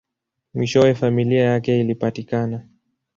Mwishowe, familia yake ilipatikana.